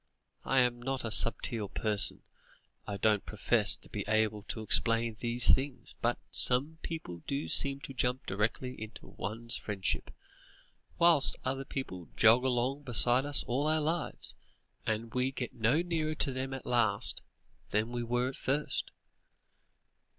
"I am not a subtle person, I don't profess to be able to explain these things, but some people do seem to jump directly into one's friendship, whilst other people jog along beside us all our lives, and we get no nearer to them at last, than we were at first.